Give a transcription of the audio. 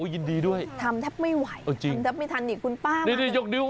ยินดีด้วยทำแทบไม่ไหวทำแทบไม่ทันคุณป้ามาก